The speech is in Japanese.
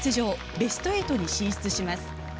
ベスト８に進出します。